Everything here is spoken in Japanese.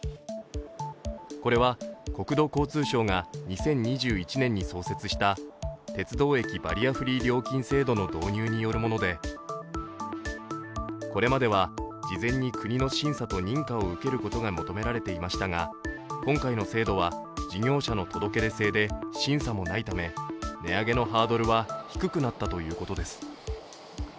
これは国土交通省が２０２１年に創設した鉄道駅バリアフリー料金制度の導入によるものでこれまでは事前に国の審査と認可を受けることが求められていましたが、今回の制度は事業者の届け出制で審査もないため値上げのハードルは低くなったということです。